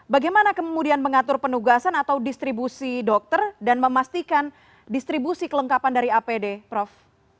bagaimana kemudian mengatur penugasan atau distribusi dokter dan memastikan distribusi kelengkapan dari apd prof